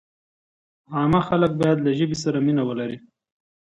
عامه خلک باید له ژبې سره مینه ولري.